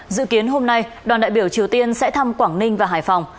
dự kiến hôm nay đoàn đại biểu triều tiên sẽ thăm quảng ninh và hải phòng